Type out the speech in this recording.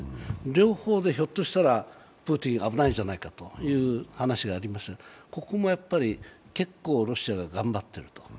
両方でひょっとしたらプーチンが危ないんじゃないかという話がありますが、ここも結構ロシアが頑張っていると。